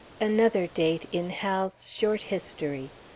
Another date in Hal's short history!